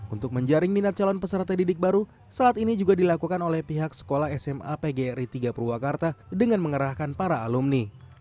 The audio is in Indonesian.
untuk menjaring minat calon peserta didik baru saat ini juga dilakukan oleh pihak sekolah sma pgri tiga purwakarta dengan mengerahkan para alumni